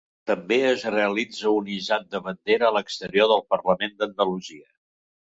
També es realitza un hissat de bandera a l'exterior del Parlament d'Andalusia.